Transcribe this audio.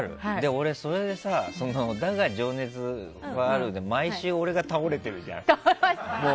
俺、「だが、情熱はある」で毎週、俺が倒れているじゃん。